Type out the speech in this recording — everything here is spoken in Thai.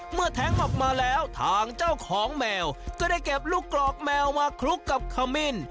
แท้งออกมาแล้วทางเจ้าของแมวก็ได้เก็บลูกกรอกแมวมาคลุกกับขมิ้น